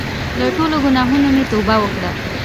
له ټولو ګناهونو مې توبه وکړه.